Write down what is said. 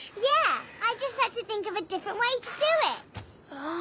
ああ。